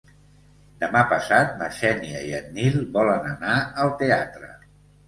Demà passat na Xènia i en Nil volen anar al teatre.